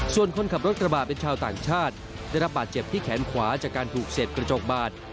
ส่วนคนขับรถกระบะเป็นชาวต่างชาติได้รับบาดเจ็บที่แขนขวาจากการถูกเสร็จกระจกบาด